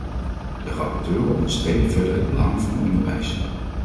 De rapporteur onderstreept verder het belang van onderwijs.